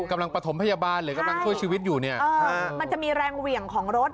ประถมพยาบาลหรือกำลังช่วยชีวิตอยู่เนี่ยมันจะมีแรงเหวี่ยงของรถ